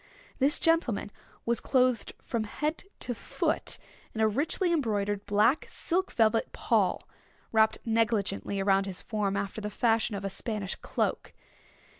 This gentleman was clothed from head to foot in a richly embroidered black silk velvet pall, wrapped negligently around his form after the fashion of a Spanish cloak.